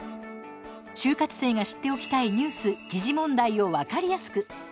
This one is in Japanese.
就活生が知っておきたいニュース時事問題を分かりやすく。